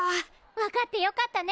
分かってよかったね。